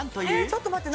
ちょっと待って。